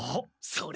それ！